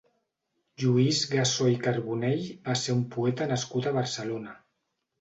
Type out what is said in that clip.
Lluís Gassó i Carbonell va ser un poeta nascut a Barcelona.